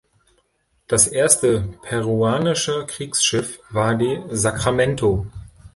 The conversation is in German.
Das erste peruanische Kriegsschiff war die "Sacramento".